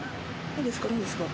何ですか？